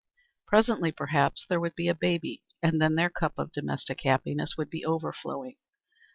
Presently, perhaps, there would be a baby, and then their cup of domestic happiness would be overflowing.